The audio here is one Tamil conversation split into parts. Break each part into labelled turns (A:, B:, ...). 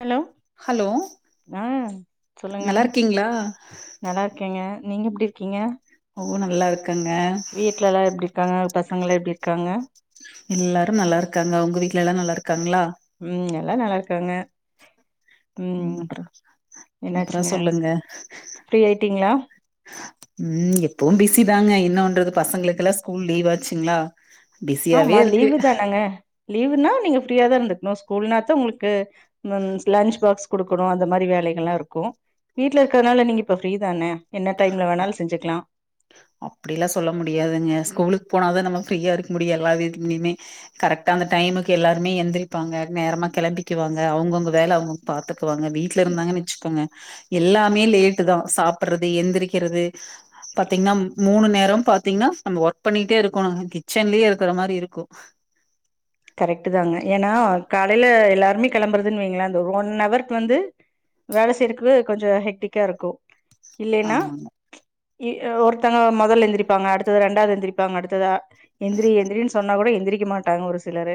A: ஹலோ
B: ஹலோ
A: ஆ சொல்லுங்க
B: நல்லா இருக்கீங்களா
A: நல்லா இருக்கேங்க நீங்க எப்டி இருக்கீங்க
B: ஓ நல்லா இருக் இருக்கங்க
A: வீட்ல எல்லா எப்டி இருக்காங்க பசங்கலா எப்டி இருக்காங்க
B: எல்லாரு நல்லா இருக்காங்க உங்க வீட்டுல எல்லா நல்லா இருக்காங்களா
A: ம் எல்லா நல்லாருக்காங்க
B: ம் அப்றோ அப்றோ சொல்லுங்க
A: ஃப்ரீ ஆயிட்டீங்களா
B: ம் எப்பொவு பிஸி தாங்க இன்னவன்றது பசங்ளுக்குலா ஸ்கூல் லீவ் ஆச்சுங்ளா
A: ஆமா லீவு தானங்க லீவுனா நீங்க ஃப்ரீயா தா இர்ந்துக் நோ ஸ்கூல்னாத்தா உங்ளுக்கு லன்ச் பாக்ஸ் குடுக்குணு அந்த மாரி வேலைகள்லா இருக்கு வீட்ல இர்க்கத்துனால நீங்க இப்ப ஃப்ரீ தானே என்ன டைம்ல வேணாலு செஞ்சுக்லா
B: அப்டியெல்லா சொல்ல முடியாதுங்க ஸ்கூலுக்கு போனாதா நம்ம ஃப்ரீயா இருக்க முடியு எல்லா வீட்லயுமே கரெக்டா அந்த டைமுக்கு எல்லாருமே எந்திரிப்பாங்க நேரமா கெளம்பிக்குவாங்க அவுங்கவுங்க வேல அவுங்கவுங் பாத்துக்குவாங்க வீட்ல இருந்தாங்கனு வெச்சுக்கோங்க எல்லாமே லேட்டுதா சாப்றது எந்திரிக்கிறது பா த்தீங்கன்னா மூணு நேரோ பாத்தீங்கன்னா நம்ம ஒர்க் பண்ணிட்டே இருக்கணு கிச்சன்லயே இருக்கற மாரி இருக்கு
A: கரெக்ட்டு தாங்க ஏனா காலைல எல்லாருமே கெளம்புறதுன்னு வைங்களேன் அந்த ஒன் ஹவருக்கு வந்து வேல செய்யறக்கு கொஞ்சோ ஹெட்டிக்கா இருக்கு இல்லைன்னா
B: ஆமாங்க
A: இ ஒருத்தங்க மொதல் எந்திரிப்பாங்க அடுத்தது ரெண்டாவது எந்திரிப்பாங்க அடுத்தது அ எந்திரி எந்திரின்னு சொன்னா கூட எந்திரிக்க மாட்டாங்க ஒரு சி லரு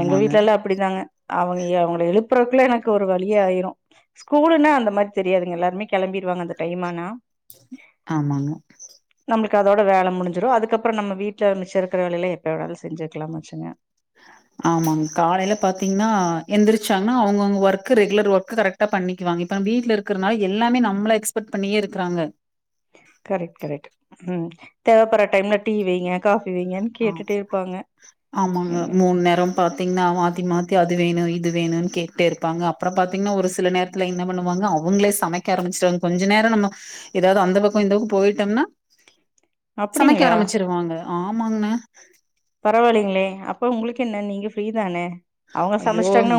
A: எங்க வீட்லல்லா அப்டிதாங்க அவுங்க அவுங்கள எழுப்பறக்குள்ள எனக்கு ஒரு வழியாயிரு ஸ்கூலுன்னா அந்த மாரி தெரியாதுங்க எல்லாருமே கெளம்பிருவாங்க அந்த டைமானா
B: ஆமாங்க
A: நம்மளுக்கு அதோட வேல முடிஞ்சிரு அதுக்கப்பறோ நம்ம வீட்ல மிச்ச இருக்கிற வேலயெல்லா எப்ப வேணாலு செஞ்சுக்கலாமாச்சே ங்க
B: முடிச்சாங்கனா அவுங்கவுங்க ஒர்க் ரெகுலர் ஒர்க்க கரெக்டா பண்ணிக்குவாங்க இப்ப நம் வீட்ல இருக்குறனால எல்லாமே நம்மள எக்ஸ்பெக்ட் பண்ணியே இருக்கறாங்க
A: கரெக்ட் கரெக்ட் ம் தேவ படற டைம்ல டீ வைங்க காஃ
B: ஆ ஆமாங்க மூண் நேரோ பாத்தீங்கன்னா மாத்தி மாத்தி அது வேணு இது வேணுனு கேட்டே இருப்பாங்க அப்றோ பாத்தீங்கன்னா ஒரு சில நேரத்துல என்ன பண்ணுவாங்க அவுங்களே சமைக்க ஆரம்பிச்சிருவாங்க கொஞ்ச நேரோ நம்ம எதாவது அந்த பக்கோ இந்த பக்கோ போயிட்டோம்னா சமைக்க
A: அப்டிங்களா
B: ஆரம்பிச்சிருவாங்க ஆமாங்கண்ண
A: பரவாலைங்ளே அப்போ உங்களுக்கு என்ன நீங்க ஃப்ரீதான
B: அய்யோ நீ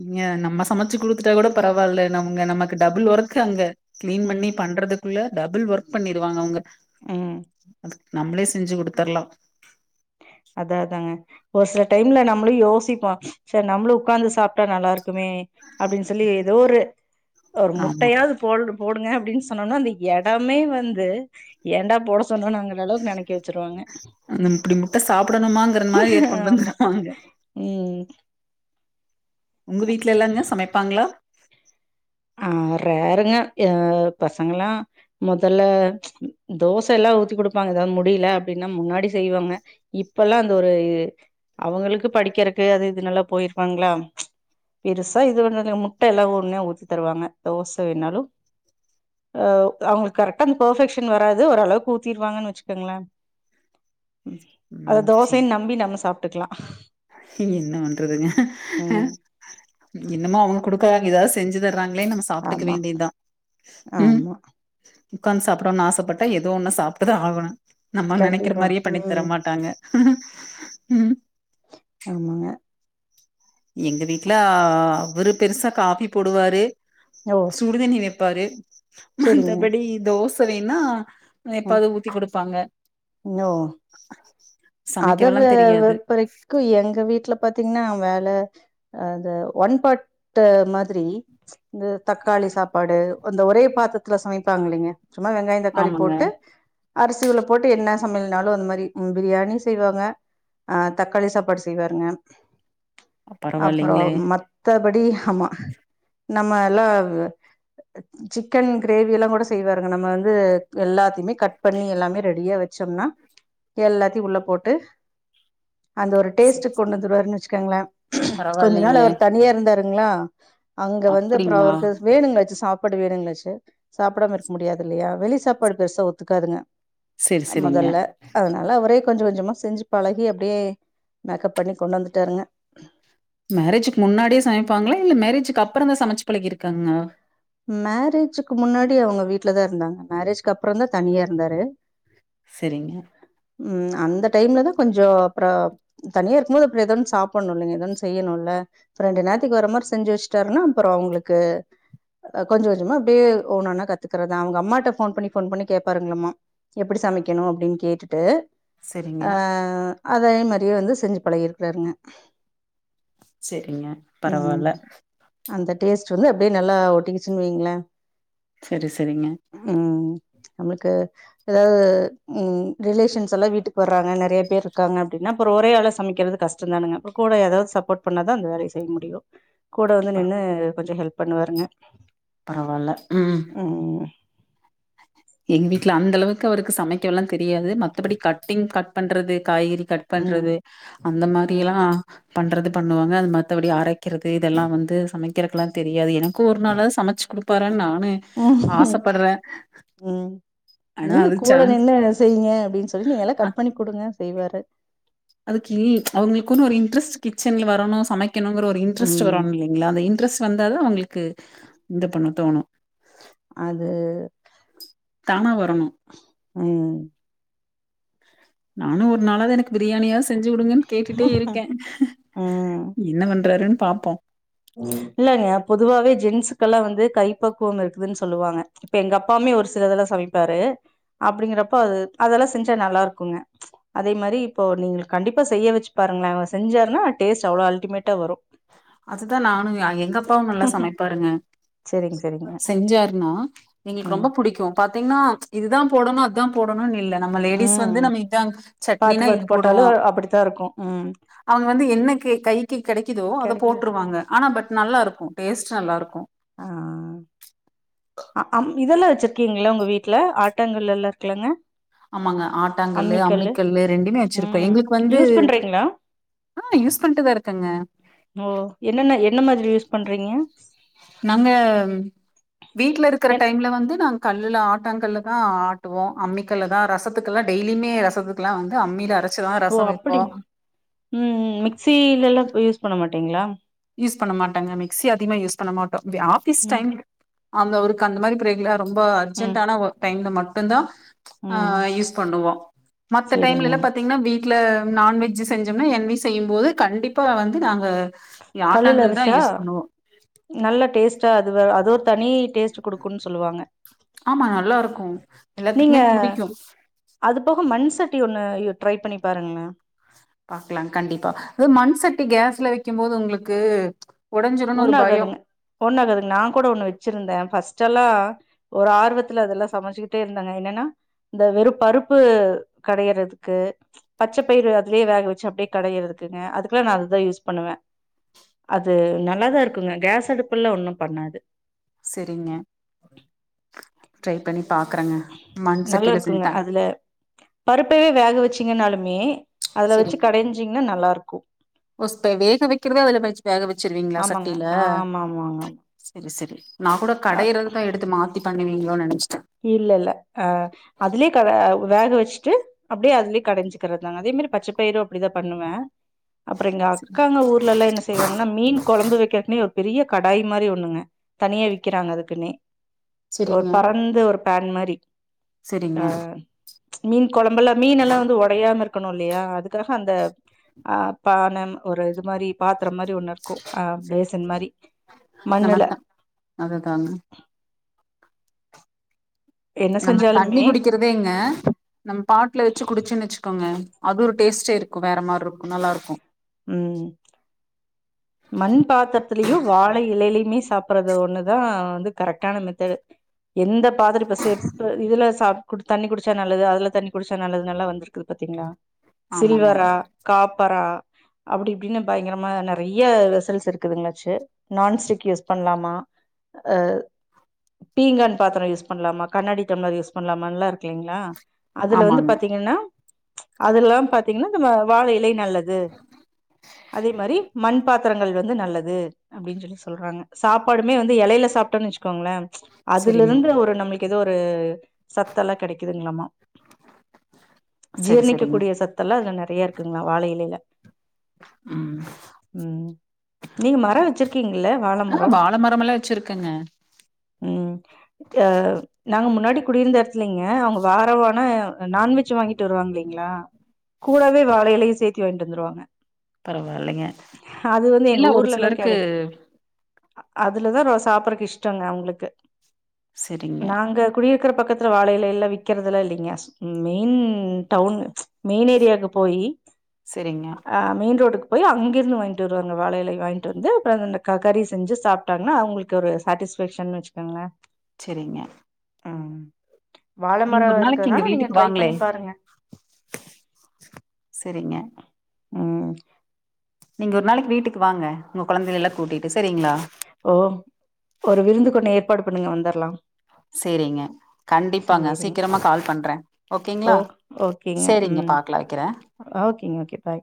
B: நீங்க நம்ம சமச்சு குடுத்துட்டா கூட பரவால்ல நவுங்க நம்ம க்கு டபுள் ஒர்க்கு அங்க க்ளீன்
A: ம்
B: பண்ணி பண்றதுக்குள்ள டபுள் ஒர்க் பண்ணிருவாங்க அவுங்க
A: ம்
B: அதுக் நம்பளே செஞ்சு குடுத்தர்லா
A: அதா அதாங்க ஒரு சில டைம்ல நம்மளு யோசிப்போ செரி நம்மளு உக்காந்து சாப்ட்டா நல்லா இருக்குமே அப்டின் சொல்லி ஏதோ ஒரு ஒரு
B: ஆமா
A: முட்டையாவ்து போல் போடுங்க அப்டின் சொன்னோனா அந்த எடமே வந்து ஏன்டா போட சொன்னோனாங்குற அளவுக் நெனெக்க வெச்சிருவாங்க
B: ம் இப்டி முட்ட சாப்படணுமாங்கற மாரி [unintelligible] கொண்ட் வந்துருவாங்க
A: ம்
B: உங்க வீட்ல எல்லாங்க சமைப்பாங்களா
A: ஆஹ் ரேருங்க அஹ் பசங்கெல்லா மொதல்ல தோச எல்லா ஊத்தி குடுப்பாங்க எதாது முடியில அப்டின்னா முன்னாடி செய்வாங்க இப்பல்லா அந்த ஒரு அவுங்களுக்கு படிக்கறக்கு அது இதுன்னல்லா போயிருவாங்களா பெருசா இது பண்ணாதுங்க முட்ட எல்லா ஒன்னா ஊத் தருவாங்க தோச வேணாலு அஹ் அவுங்களுக் கரெக்ட்டா அந்த பர்ஃபெக்ஷன் வராது ஓரளவுக் ஊத்திருவாங்கன்னு வச்சுக்கங்ளே ம் அது
B: ம் சேரி
A: தோசைன் நம்பி நம்ம சாப் ட்டுக்கலா
B: என்ன பண்றதுங்க
A: ம்
B: என்னமோ அவங்க குடு த்தா இதாது செஞ்சு தர்றாங் களேன் நம்ம சாப்ட்டுக்க
A: ஆமா
B: வேண்டியதா உம்
A: ஆமா
B: உக்காந்து சாப்படோன் ஆசப்பட்டா எதோ ஒன்ன சாப்ட்டு தா ஆகணு நம்ம நெனைக்கற
A: கண்டிப்பா
B: மாரியே பண்ணி
A: ம்
B: தரமாட்டாங்க உம்
A: ஆமாங்க
B: எங்க வீட்ல அவுரு பெருசா காபி போடுவாரு
A: ஓ
B: சுடுதண்ணி வெப் பாரு
A: செரிங்க
B: மத்தபடி தோஸ் ப்ப வேணா அ எப்பாது ஊத்தி் குடுப்பாங்க
A: நோ அத
B: சமைக்கவெல்லா
A: வெ வெ
B: தெரியாது
A: [unintelligible] எங்க வீட்ல பாத்தீங்னா வேல அது ஒன் பாட்டு மாதிரி இந்த தக்காளி சாப்பாடு அந்த ஒரே பாத்தர்த்துல சமைப்பாங்கில்லீங்க சும்மா வெங்காயோ தக்காளி
B: ஆமாங்க
A: போட்டு அரிசி உள்ள போட்டு என்ன சமையல்னாலு அந்த மாரி ம் பிரியாணி செய்வாங்க ஆஹ் தக்காளி சாப்பாடு செய்வாருங்க அப்பறோ
B: பரவாயில்லைங்களே
A: மத்த படி ஹாமா நம்ம எல்லா சிக்கன் க்ரேவி எல்லாங்கூட செய்வாருங்க நம்ம வந்து எல்லாத்தியுமே கட் பண்ணி எல்லாமே ரெடியா வெ ச்சம்னா எல்லாத்தியு உள்ள போட் டு அந்த ஒரு
B: செரி
A: டேஸ்ட்டுக்
B: செரி
A: கொண்டு வந்துருவாருன் வெச்சு கங்களே கொஞ்ச நாள்
B: பரவாயில்லைங்களே
A: அவர் தனியா இருந்தாரு ங்ளா அங்க வந்து அப்பறோ
B: அப்டிங்களா
A: அவருக்கு வேணுங்களாச்சே சாப் சாப்பாடு வேணுங்களாச்சு சாப்டாம இருக்க முடியாது இல்லியா வெளி சாப்பாடு பெருசா ஒத்துக்காதுங்க
B: செரி
A: ச்சு
B: செரிங்க
A: முதல்ல அதனால அவரே கொஞ்ச கொஞ்சமா சாப் செஞ்சு பழகி அப்படியே மேக்கப் பண்ணி கொண்டு வந்துட்டாருங்க.
B: மேரேஜ்க்கு முன்னாடியே சமைப்பாங்களா இல்ல மேரேஜ்க்கு க்கப்புறம் தா சமச்சு பழகியிருக்காங்லா
A: மேரேஜுக்கு முன்னாடி அவங்க வீட்டுலதா இருந்தாங்க மேரேஜ்க்கு அப்புறம் தான் தனியா இருந்தாரு.
B: செரிங்க
A: ம் அந்த டைம்ல தான் கொஞ்சோ அப்புறோ தனியா இருக்கும் போது அப்புறோத ஒன்னு சாப்பிடணும் இல்லைங்க ஏதவும்ன்னு செய்யணும் இல்ல ரெண்டு நேரத்துக்கு வர மாதிரி செ்சு வச்சுட்டாருன்னா அப்புறோ அவங்களுக்கு கொஞ்சோ கொஞ்சோமா அப்படியே ஒன்னா கத்துக்கறதான் அவங்க அம்மாிட்ட போன் பண்ணி போன் பண்ணி கேப்பாருங்களம்மா எப்படி சமைக்கணும் அப்படின்னு கேட்டுட்டு டு
B: செரிங்க
A: ஆ அதே மாதிரியே வந்து செஞ்சு பழகியிருக்கிறாருங்க.
B: செரிங்க பரவால்ல
A: சொல்லு அப்படியே நல்லா ஒட்டிச்சுனு வைங்களேன்
B: செரி செரிங்க
A: நமக்கு ஏதாவது உம் ரிலேஷன்ஸ் எல்லா வீட்டுக்கு வர்றாங்க நெறைய பேர் இருக்காங்க அப்படின்னா அப்றோ ஒரே ஆளா சமைக்கிறது கஷ்டம் தானுங்க அப்றோ கூட ஏதாவது சப்போர்ட் பண்ணாதான் அந்த வேலைய செய்ய முடியும் கூட வந்து நின்னு கொஞ்சோ ஹெல்ப் பண்ணுவாருங்க
B: பரவால்ல ம்
A: ம்
B: எங்க வீட்ல அந்தளவுக்கு அவருக்கு சமெக்ககலா தெரியாது மத்தப்படி கட்டிங் கட் பண்றது காய்கறி கட்
A: ம்
B: பண்றது அந்த
A: ம்
B: மாரிலா பண்றது பண்ணுவாங்க அது மத்தவடி அரைக்கிறது இதெல்லா வந்து சமக்கிறக்குல்லா தெரியாது எனக்கு ஒரு நாளா சமச்சு குடுப்பாறா நா னு
A: ம்
B: ஆசைப்படுறேன்
A: ம்
B: ஆனா
A: நீங்க
B: அது
A: கூட
B: சான்ஸ்
A: நின்னு அத செய்ங்க அப்டின் சு சொல்லி நீங்க எல்ல கட் பண்ணி கொடுங்க செய்வாரு
B: அதுக்கி அவுங்குளுக்குனு ஒரு இன்ட்ரெஸ்ட் கிச்சென்ல வரணு சமைக் கினுங்ரற ஒரு இன்ட்ரஸ்ட்
A: ம்
B: வரோன் இல்லிங்ளா அந்த இன்ட்ரஸ்ட் வந்தாதா அவங்களுக்கு இந்த பண்ண தோணும்
A: அது
B: தானாவா
A: [unintelligible]
B: நானும் ஒரு நாளாதாது எனக்கு பிரியாணியா செஞ்சு கொடுங்கன்னு கேட்டுட்டே இருக்கேன்
A: ம்
B: என்ன பண்றாருன்னு பாப்போம்
A: இல்லங்க பொதுவாவே ஜென்ஸுகல்லா வந்து கைப்பக்குவம் இருக்குதுன் சொல்லுவாங்க இப்ப எங்க அப்பாமே ஒரு சிலதெல்லா சமைப்பாரு அப்டிங்கிறப்போ அது அதெல்லா செஞ்சா நல்லா இருக்குங்க அதே மாரி இப்போ நீங்குள் கண்டிப்பா செய்ய வெச்சி பாருங்ளே அவ செஞ்சார்னா டேஸ்ட் அவ்ளோ அல்ட்டிமேட்டா வரு
B: அதுதான் நானும் எங்க அப்பாவும் நல்லா சமைப்பாருங்க
A: சரிங்க சரிங்க
B: செஞ்சாருன்னா எங்களுக்கு
A: ம்
B: ரொம்ப புடிக்கும் பாத்தீங்கன்னா இதுதான் போடணும் அது தா போடணுன் இல்ல நம்ம லேடிஸ் வந்து
A: ம்
B: நம்ம இதான்
A: பாத்து
B: சட்னினா
A: பாத்து
B: இது
A: போட்டாலு
B: போடுவோ
A: அப்படித்தா இருக்கு ம்
B: அவங்க வந்து என்ன கெய் கைக்கு கெடைக் இதோ அத
A: கெடைக்குது
B: போட்டுருவாங்க ஆனா பட் நல்லாருக்கு டேஸ்ட் நல்லாருக்கு
A: ஆ அ அம் இதெல்லா வச்சிருக்கீங்களா உங்க வீட்ல ஆட்டங்கள் எல்லா இருக்குளங்க
B: ஆமாங்க ஆட்டாங்கல்லு அம்மிக்கல்லு ரெண்டுமே வச்சிருக்கே
A: ம்
B: எங்களுக்கு வந்து
A: யூஸ் பண்றீங்களா
B: ஆஹ் யூஸ் பண்ட்டுதாருக்கங்க
A: ஓ என்னென்ன என்ன மாதிரி யூஸ் பண்றீங்க
B: நாங்க ம் வீட்ல இருக்குற
A: என்
B: டைம்ல வந்து நாங் கல்லுல ஆட்டங்கள்ல தா ஆட்டுவோ அம்மிக்கல்ல தா ரசத்துக்குல்லா டெய்லியுமே ரசத்துக்குல்லா வந்து அம்மில அரச்
A: ஓ அப்படிங் ம் மிக்சிலலா யூஸ் பண்ண மாட்டீங்ளா
B: யூஸ் பண்ண மாட்டாங்க மிக்சி அதிகமா யூஸ் பண்ண மாட் டோ ஆஃபீஸ்
A: ம்
B: டைம் அந்த அவருக்கு அந்த மாரி [unintelligible] ரொம்ப
A: ம்
B: அர்ஜென்டான ஒர்க் டைம்ல மட் டுந்தா
A: ம்
B: ஆஹ் யூஸ் பண்ணுவோ மத்த
A: சேரிங்க
B: டைம்லல்ல பாத்தீங்ன்னா வீட் ட்ல நான்வெஜ்ஜு செஞ்சோம்னா என்வி செய்யும்போது கண்டிப்பா வந்து நாங்க
A: கல்லுல
B: ஆட்டாங்கல் தான்
A: அரச்சா
B: யூஸ் பண்ணுவோம்
A: நல்லா டேஸ்ட்டா அது அது ஒரு தனி டேஸ்ட் [unintelligible] குடுக்குன் சொல்லுவாங்க
B: ஆமா நல்லாருக்கும்
A: நீங்க
B: எல்லாத்க்குமே புடிக்கும்
A: ன ட்ரை பண்ணி பாருங்களேன்
B: பாக்கலா கண்டிப்பா அது மண் சட்டி கேஸ்ல வெய்க்கும் போது உங்களுக்கு உடஞ்சிரும்னு
A: ஒண்ணு
B: ஒரு பயம்
A: ஆகாதுங்க ஒண்ணு ஆகாதுங் நா கூட ஒண்ணு வச்சிருந்தே பஃர்ஸ்ட் எல்லா ஒரு ஆர்வத்துல அதெல்லா சமைச்சுக்கிட்டே இருந்தேங்க என்னன்னா இந்த வெறும் பருப்பு கடயறதுக்கு பச்ச பயிறு அதுலயே வேக வச்சு அப்படியே கடயறதுக்குங்க அதுக்குல்லா நா அதுதா யூஸ் பண்ணுவே அது ந நல்லாதா இருக்குங்க கேஸ் அடுப்புல்லா ஒன்னும் பண்ணாது
B: செரிங்க ட்ரை பண்ணி பாக்குறேங்க மண் சட்டியில
A: நல்லாருக்குங்க
B: செஞ்சுதான்
A: அதுல பருப்பவே வேக வச்சீங்கன்னாலுமே அதுல வச்சு கடஞ்சிங்ன்னா நல்லாருக்கு கு
B: ஒ ஸ்த வேக வக்கிறது அதுல வச்சு வேக வச்சிருவீங்ளா
A: ஆமாங்க
B: சட்டில
A: ஆமா ஆமாங்க
B: செரி செரி நா கூட கடையறததா எடுத்து மாத்தி மாத் [unintelligible] நெனச்
A: இல்லல அஹ் அதுலயே கட வ வேக வெச்சுட்டு அப்டியே அதுலயே கடஞ்சுக்கிறதுதாங்க அதே மாரி பச்ச பயிரு அப்டிதா பண்ணுவே அப்றோ எங்க அக்காங்க ஊர்லலா என்ன செய்வாங்கன்னா மீன் கொழம்பு வெக்கர்குனே பெரிய கடாய் மாரி ஒண்ணுங்க தனியா விக்கிறாங்க அதுக்குன்னே ஒரு
B: செரிங்க
A: பற ஒரு பேன் மாரி
B: செரிங்க
A: ச் மீன் கொழம்புல்லா மீன் எல்லா வந்து ஒடையாம இருக்கணு இல்லையா அதுக்காக அந்த ஆஹ் பேனு ஒரு இது மாரி பாத் தர மாரி ஒண்ணுருக்கு அஹ் பேசன் மாரி
B: நம்ம
A: மண்ணுல
B: த அதுதாங்க
A: என்ன
B: நம்ம தண்ணி
A: செஞ்சாலுமே
B: குடிக்கிறதேங்க நம்ம பாட்ல வெச்சு குடிச்சோன்னு வெச்சுக்கோங்க அது ஒரு டேஸ்ட்டே இருக்கு வேற மாருக்கு நல்லாருக்கு
A: உம் மண் பாத்திரத்துலயு வாழை இலையிலயுமே சாப்புடுறது ஒண்ணுதா அஹ் வந்து கரெக்டான மெத்தடு எந்த பாதிரப்ப செப் இதுல சா குடு தண்ணி குடிச்சா நல்லது அதுல தண்ணி குடிச்சா நல்லது நல்லா வந்திருக்குது பாத்தீங்களா
B: ஆமாமா
A: சில்வரா காப்பரா அப்டி இப்டின்னு பயங்கரமா ந நெறைய வெசல்ஸ் இருக்குதுங்களாச்சு நான்ஸ்டிக் யூஸ் பண்ணலாமா அஹ் பீங்கான் பாத்திரோ யூஸ் பண்ணலாமா கண்ணாடி டம்ளர் யூஸ் பண்ணலாமாலா இருக்குளைங்களா அதுல வந்து
B: ஆமாங்க
A: பாத்தீங்கன்னா ச் அதுல்லா பாத்தீங்கன்னா நம்ம வாழ இலை நல்லது அதே மாரி பாத்துரங்கள் வந்து நல்லது அப்டின்னு சொல்லி சொல்றாங்க சாப்பாடுமே வந்து எலைய சாப்டோனு வெச் சுகோங்களே ச் அதுல
B: செரிங்க
A: இருந்து ஒரு நம்மளுக்கு ஏதோ ஒரு சத்தல்லா கிடைக்குதுங்களாமா
B: செரி
A: ஜீர்ணிக்க
B: செரிங்க
A: கூடிய சத்தல்லா அதுல நெறைய இருக்குங்களா வாழ இலைல
B: ம்
A: உம் நீங்க மரோ வெச்சிருக்கீங்கல்ல வாழ
B: ஆ
A: மரோ
B: வாழ மரமெல்லா வச்சிருக்கங்க
A: உம் அஹ் நாங்க முன்னாடி குடியிருந்த எடத்துலைங்க அவுங்க வாரவான நான்வெஜ் வாங்கிட்டு வருவாங்க இல்லைங்களா கூடவே வாழயிலையு சேத்தி வாங்கிட்டு வந்துருவாங்க
B: தரோ [unintelligible] இல்லைங்க
A: அது வந்து எங்க
B: எல்லா ஒரு
A: ஊர்லல்லா
B: சிலருக்கு
A: கெடை அதுலதா ரொ சாப்பறக்கு இஷ்டங்க அவுங்ளுக்கு
B: செரிங்க
A: நாங்க குடியர் க்குற பக்கத்துல வாழ இலைல்லா விக்கெறதுலா இல்லிங்க மெயின் டவுன் மெயின் ஏரியாக்கு போயி
B: செரிங்க
A: அ மியின் ரோட்டுக்கு போய் அங் கிர்ந்து வாங்கிட்டு வருவாங்க வாழ இலை வாய்ன்ட்டு வந்து அப்று அந்துஅந்த க கறி செஞ்சு சாப்ட்டாங்னா அவுங்ளுக்கு ஒரு சாட்டிஸ்ஃபக்ஷ்ன் வச்சுகோங்ளே
B: செரிங்க
A: அ
B: நீங் ஒரு நாளக்கு எங்க வீட்டுக்கு வாங்ளே
A: பண்ணி பாருங்க
B: செரிங்க
A: ம்
B: நீங்க ஒரு நாளக்கி வீட்டுக்கு வாங்க உங்க கொழந்தைகள்லா கூட்டிட்டு செரிங்ளா
A: ஓ ஒரு விருந்துக்கொண்ணு ஏற்பாடு பண்ணுங்க வந்துர்லா
B: சேரிங்க கண்டிப்பாங்க சீக்கிரமா கால் பண்ற
A: ஓ
B: ஓகேங்ளா
A: ஓகேங்க
B: சேரிங்க
A: ம்
B: பாக்லா வெக்கிற
A: ஓகேங்க ஓகே பாய்